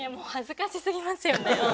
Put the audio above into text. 恥ずかしすぎますよね